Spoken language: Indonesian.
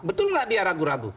betul nggak dia ragu ragu